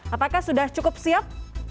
apakah sudah cukup siap